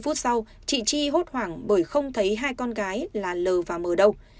ba mươi phút sau chị chi hốt hoảng bởi không thấy hai con gái là l và m đâu